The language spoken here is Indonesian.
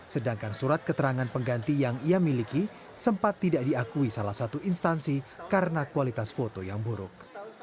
sedangkan surat keterangan pengganti yang ia miliki sempat tidak diakui salah satu instansi karena kualitas foto yang buruk